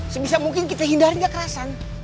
sebisa mungkin kita hindari kekerasan